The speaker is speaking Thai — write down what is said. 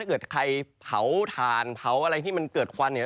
เกิดใครเผาถ่านเผาอะไรที่มันเกิดควันเนี่ย